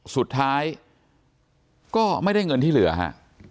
สุดท้ายก็ไม่ได้เงินที่เหลือฮะ